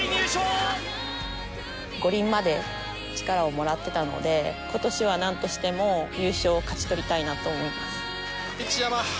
五輪まで力をもらってたので、今年は何としても優勝を勝ち取りたいと思います。